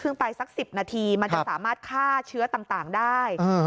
ซึ่งไปสัก๑๐นาทีมันจะสามารถฆ่าเชื้อต่างได้